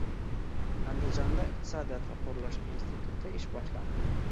Andijonda Iqtisodiyot va qurilish instituti ish boshladi